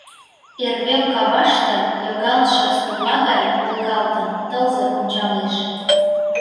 Эрвел каваште, йыгалтше сорла гай волгалтын, тылзе ончалеш.